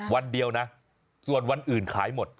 วันเดียวนะส่วนวันอื่นขายหมด